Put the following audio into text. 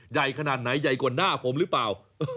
ใหญ่ขนาดไหนใหญ่กว่าหน้าผมหรือเปล่า